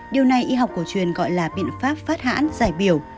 điều này y học cổ truyền gọi là biện pháp phát hãn giải biểu